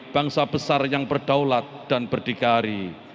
bangsa besar yang berdaulat dan berdikari